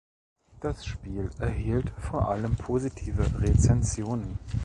Das Spiel erhielt vor allem positive Rezensionen.